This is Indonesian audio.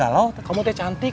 iya iya selalu hoodie buang